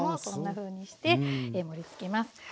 こんなふうにして盛りつけます。